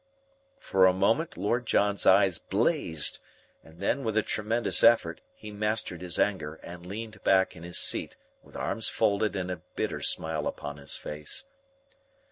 For a moment Lord John's eyes blazed, and then, with a tremendous effort, he mastered his anger and leaned back in his seat with arms folded and a bitter smile upon his face.